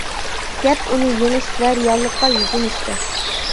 گەپ ئۇنى يېڭىش ۋە رېئاللىققا يۈزلىنىشتە.